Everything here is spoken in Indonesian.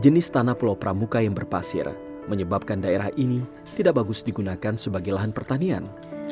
jenis tanah pulau pramuka yang berpasir menyebabkan daerah ini tidak bagus digunakan sebagai lahan pertanian